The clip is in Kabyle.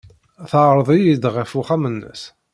Teɛreḍ-iyi-d ɣer uxxam-nnes.